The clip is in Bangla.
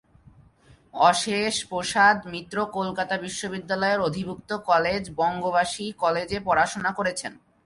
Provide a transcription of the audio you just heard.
অশেষ প্রসাদ মিত্র কলকাতা বিশ্ববিদ্যালয়ের অধিভুক্ত কলেজ বঙ্গবাসী কলেজে পড়াশোনা করেছেন।